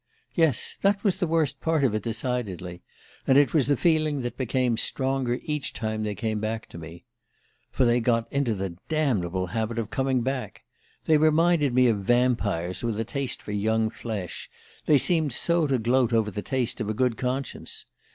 Yes, that was the worst part of it, decidedly; and it was the feeling that became stronger each time they came back to me ... "For they got into the damnable habit of coming back. They reminded me of vampires with a taste for young flesh, they seemed so to gloat over the taste of a good conscience.